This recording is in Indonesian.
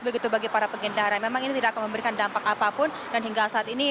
begitu bagi para pengendara memang ini tidak akan memberikan dampak apapun dan hingga saat ini